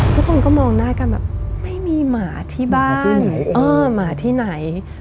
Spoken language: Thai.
ทุกคนก็มองหน้ากันแบบไม่มีหมาที่บ้านหมาที่ไหน